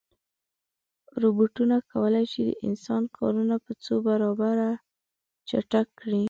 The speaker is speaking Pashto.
روبوټونه کولی شي د انسان کارونه په څو برابره چټک کړي.